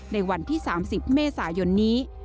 ในวันที่๓๐เมษายนนี้